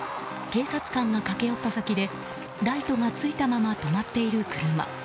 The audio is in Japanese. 警察官が駆け寄った先でライトがついたまま止まっている車。